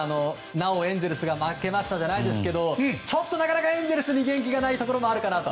なおエンゼルスが負けましたじゃないですがちょっとなかなかエンゼルスに元気がないところがあるかなと。